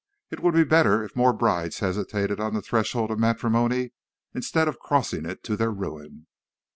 It would be better if more brides hesitated on the threshold of matrimony instead of crossing it to their ruin.'